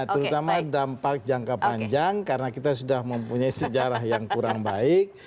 terutama dampak jangka panjang karena kita sudah mempunyai sejarah yang kurang baik